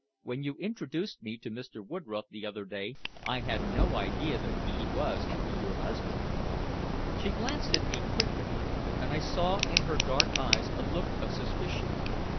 When you introduced me to Mr. Woodroffe the other day I had no idea that he was to be your husband." She glanced at me quickly, and I saw in her dark eyes a look of suspicion.